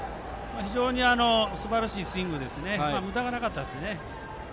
非常にすばらしいスイングでむだがなかったです。